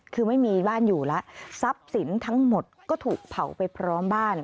คือไม่มีบ้านอยู่แล้วทรัพย์สินทั้งหมดก็ถูกเผาไปพร้อมบ้าน